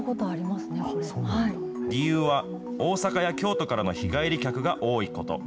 理由は、大阪や京都からの日帰り客が多いこと。